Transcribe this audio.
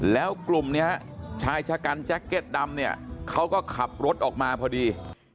แล้วกลุ่มนี้ชายชะกันแจ็คเก็ตดำเนี่ยเขาก็ขับรถออกมาพอดี